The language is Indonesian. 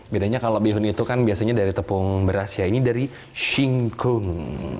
bedanya kalau bihun itu kan biasanya dari tepung beras ya ini dari singkung